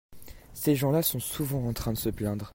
ces gens-là sont souvent en train de se plaindre.